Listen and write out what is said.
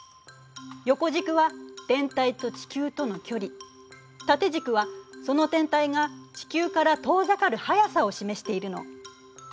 横軸は天体と地球との距離縦軸はその天体が地球から遠ざかる速さを示しているの。